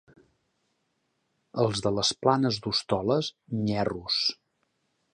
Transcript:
Els de les Planes d'Hostoles, nyerros.